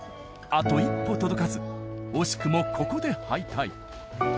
あと一歩届かず惜しくもここで敗退。